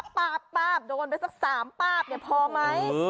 ป้าบโดนไปสัก๓ป้าบเนี่ยพอไหม